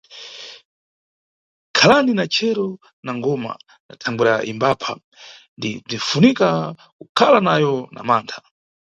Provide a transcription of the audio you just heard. Khalani na chero na ngoma na thangwera imbapha ndi bzifunika kukhala nayo na mantha.